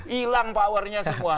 hilang powernya semua